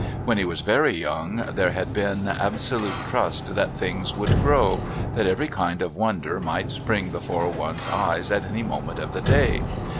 When he was very young there had been absolute trust that things would grow; that every kind of wonder might spring before one's eyes at any moment of the day.